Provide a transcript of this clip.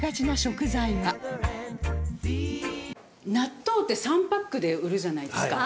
納豆って３パックで売るじゃないですか。